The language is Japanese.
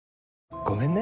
ごめんね。